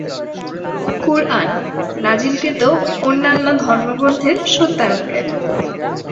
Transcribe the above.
কুরআন নাজিলকৃত অন্যান্য ধর্মগ্রন্থের সত্যায়নকারী।